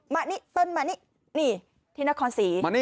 มานี่เติ้ลมานี่นี่ที่นครศรี